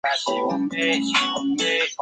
汪恩甲随后找到萧红。